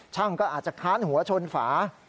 ช่างก็อาจจะค้านหัวชนฝา